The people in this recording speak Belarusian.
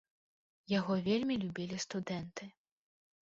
Яго вельмі любілі студэнты.